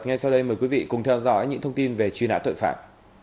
ngay sau đây mời quý vị cùng theo dõi những thông tin về truy nã tội phạm